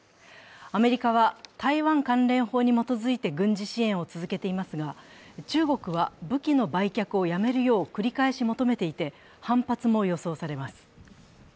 アメリカは台湾関連法に基づいて軍事支援を続けていますが、中国は武器の売却をやめるよう繰り返し求めていて、反発も予想されます。